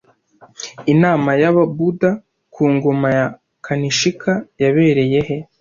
Inama y'Ababuda ku ngoma ya Kanishika yabereye he